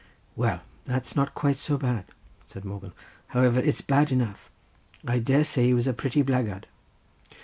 "Well, that's not quite so bad," said Morgan; "however, it's bad enough. I dare say he was a pretty blackguard."